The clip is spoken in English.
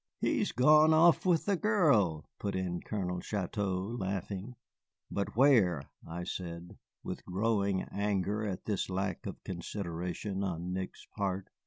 "He has gone off with the girl," put in Colonel Chouteau, laughing. "But where?" I said, with growing anger at this lack of consideration on Nick's part.